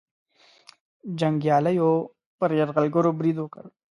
جنګیالیو پر یرغلګرو برید وکړ.